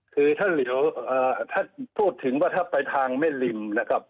คือถ้าพูดถึงว่าถ้าไปทางแม่ริมนะครับ